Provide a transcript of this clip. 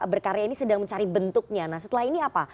pks sedang mencari bentuknya nah setelah ini apa